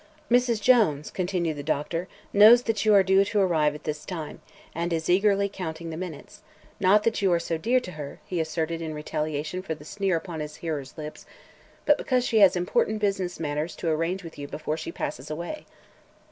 "Mrs. Jones," continued the doctor, "knows that you are due to arrive at this time and is eagerly counting the minutes; not that you are so dear to her," he asserted in retaliation for the sneer upon his hearer's lips, "but because she has important business matters to arrange with you before she passes away."